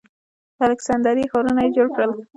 د الکسندریه ښارونه یې جوړ کړل